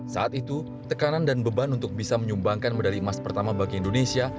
saat itu tekanan dan beban untuk bisa menyumbangkan medali emas pertama bagi indonesia